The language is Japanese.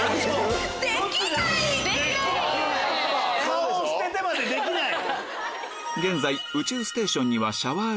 顔を捨ててまで「できない」！